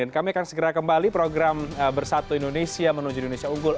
dan kami akan segera kembali program bersatu indonesia menuju indonesia unggul